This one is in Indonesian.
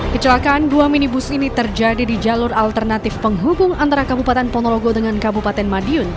kecelakaan dua minibus ini terjadi di jalur alternatif penghubung antara kabupaten ponorogo dengan kabupaten madiun